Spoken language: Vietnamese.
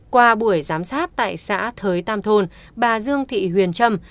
qua buổi giám sát tại xã thới tam thôn bà dương thị huyền trâm